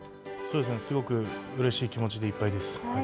すごくうれしい気持ちでいっぱいです。